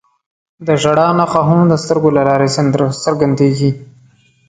د ژړا نښه هم د سترګو له لارې څرګندېږي